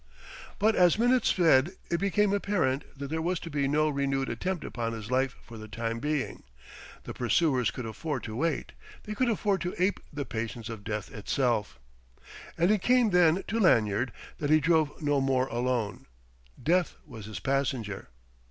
But as minutes sped it became apparent that there was to be no renewed attempt upon his life for the time being. The pursuers could afford to wait. They could afford to ape the patience of Death itself. And it came then to Lanyard that he drove no more alone: Death was his passenger.